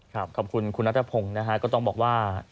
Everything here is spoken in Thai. ขอบคุณคุณนัทพงศ์นะฮะก็ต้องบอกว่า